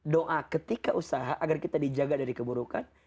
doa ketika usaha agar kita dijaga dari keburukan